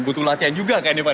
butuh latihan juga kayaknya pak